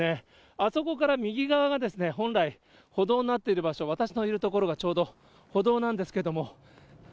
あそこから右側が本来、歩道になっている場所、私のいる所がちょうど歩道なんですけども。